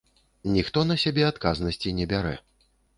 Ніхто на сябе адказнасці не бярэ.